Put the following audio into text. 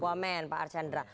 wamen pak arcandra